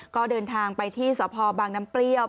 ก็เดินทางไปที่สพบางน้ำเปรี้ยว